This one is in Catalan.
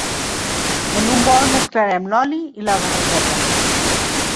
En un bol mesclarem l'oli i la barregeta.